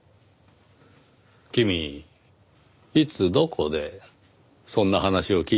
君いつどこでそんな話を聞いたのですか？